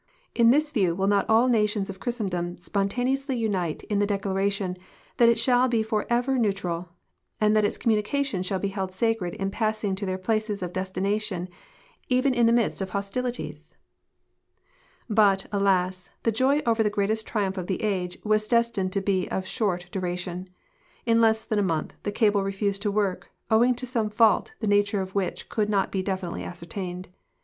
In this view will not all nations of f'hristendom spontaneously unite in the declaration that it shall lu for ever neutral, and that its communications shall be held sacred in passing to their places of destination, even in the midst of hostilities?" 104 THE SUBMARINE CABLES OF THE ^YORLD liut, alas, the joy over the greatest triumph of the age was des tined to be of short duration. In less than a month the cable refused to work, owing to some fault the nature of which could not be definitel}'' ascertained.